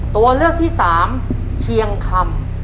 ตัวเลือกที่สามเชียงคำ